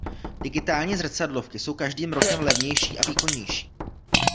Digitální zrcadlovky jsou každým rokem levnější a výkonnější.